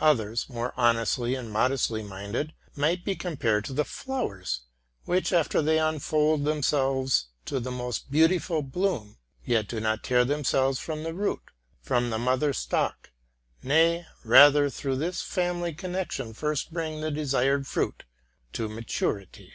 Others, more honestly and modestly minded, might be compared to the flowers, which, although they un fold themselves to the most beautiful bloom. yet do not tear themselves from the root, from the mother stalk, nay, —rather through this family connection first bring the desired fruit to maturity.